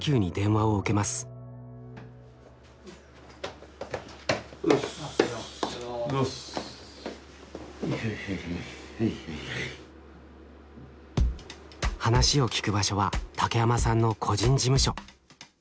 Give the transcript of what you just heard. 話を聞く場所は竹山さんの個人事務所。